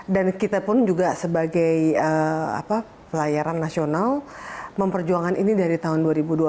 dan kita pun juga sebagai pelayaran nasional memperjuangkan ini dari tahun dua ribu dua belas